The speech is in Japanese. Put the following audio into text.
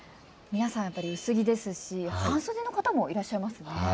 皆さん、薄着ですし半袖の方もいらっしゃいますね。